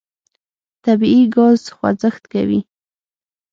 طبیعي ګاز خوځښت کوي.